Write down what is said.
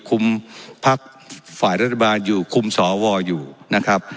พักฝ่ายรัฐบาลอยู่คุมสวอยู่นะครับ